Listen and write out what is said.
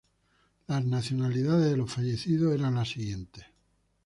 Las nacionalidades de los fallecidos eran las siguientes.